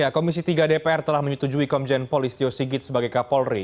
komisi tiga dpr telah menyetujui komjen polistio sigit sebagai kapolri